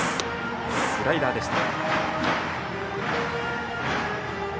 スライダーでした。